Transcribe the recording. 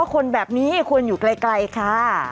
ควรอยู่ไกลค่ะ